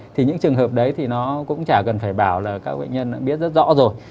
thì những trường hợp đấy thì nó cũng chả cần phải bảo là các bệnh nhân đã biết rất rõ rồi